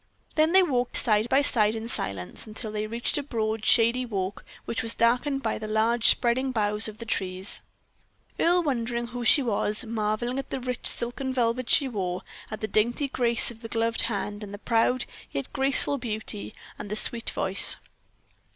Then they walked side by side in silence, until they reached a broad, shady walk which was darkened by the large, spreading boughs of the trees, Earle wondering who she was marveling at the rich silk and velvet she wore, at the dainty grace of the gloved hand, at the proud, yet graceful beauty, at the sweet voice.